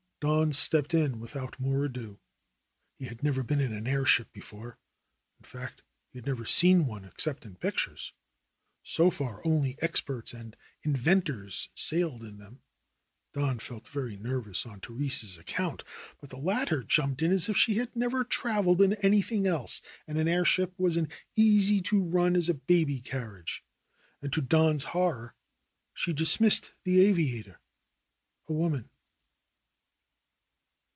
Don stepped in without more ado. He had never been in an airship before. In fact he had never seen one except in pictures. So far only experts and in ventors sailed in them. Don felt very nervous on The rese's account, but the latter jumped in as if she had never traveled in anything else, and an airship was as easy to run as a baby carriage. And, to Don's horror, she dismissed the aviator — a woman